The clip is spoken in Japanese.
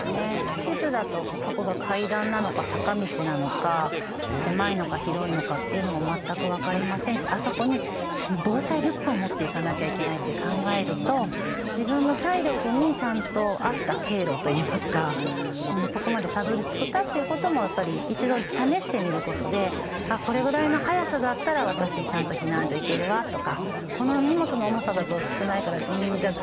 地図だとそこが階段なのか坂道なのか狭いのか広いのかっていうのも全く分かりませんしあそこに防災リュックを持っていかなきゃいけないって考えると自分の体力にちゃんと合った経路といいますかそこまでたどりつくかということもやっぱり一度試してみることでこれぐらいの速さだったら私ちゃんと避難所行けるわとかこの荷物の重さだと少ないからじゃあ